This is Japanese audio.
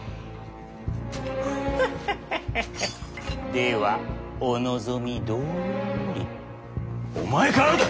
ではお望みどおりお前からだ！